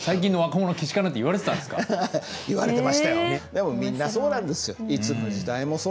でもみんなそうなんですよ。